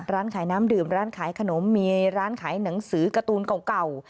ร้านขายน้ำดื่มร้านขายขนมมีร้านขายหนังสือการ์ตูนเก่า